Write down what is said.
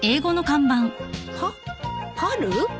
パパル？